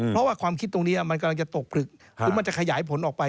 เพราะว่าความคิดตรงนี้มันกำลังจะตกผลึกคือมันจะขยายผลออกไป